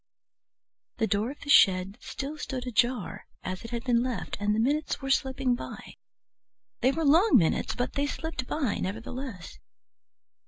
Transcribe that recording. The door of the shed still stood ajar as it had been left, and the minutes were slipping by. They were long minutes, but they slipped by nevertheless.